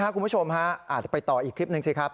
คุณผู้ชมอาจจะไปต่ออีกคลิปหนึ่งสิครับ